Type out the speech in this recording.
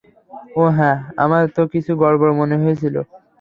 ওহ হ্যাঁ, আমার তো কিছু গড়বড় মনে হয়েছিল।